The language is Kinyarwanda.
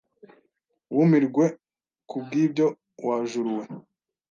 Wumirwe ku bw’ibyo wa juru we,